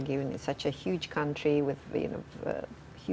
karena indonesia adalah negara yang besar